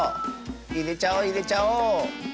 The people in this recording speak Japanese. いれちゃおういれちゃおう！